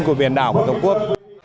của biển đảo của tổ quốc